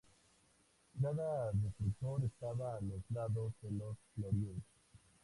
Cada destructor estaba a los lados del "Glorious".